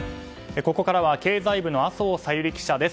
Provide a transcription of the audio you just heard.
ここからは経済部の麻生小百合記者です。